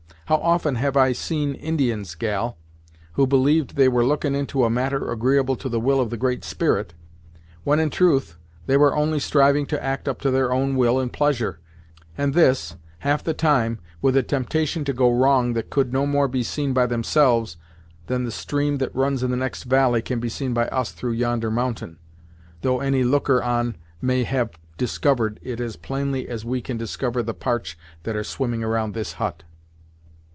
How often have I seen Indians, gal, who believed they were lookin' into a matter agreeable to the will of the Great Spirit, when in truth they were only striving to act up to their own will and pleasure, and this, half the time, with a temptation to go wrong that could no more be seen by themselves, than the stream that runs in the next valley can be seen by us through yonder mountain', though any looker on might have discovered it as plainly as we can discover the parch that are swimming around this hut."